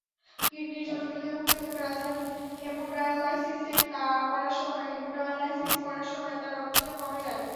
কিডনির জটিলতায় ভুগতে থাকা রাজার হেমোডায়ালাইসিস করার সময় তাঁর রক্তচাপ কমে যায়।